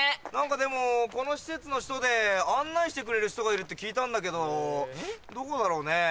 何かでもこの施設の人で案内してくれる人がいるって聞いたんだけどどこだろうね。